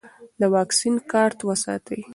د واکسین کارت وساتئ.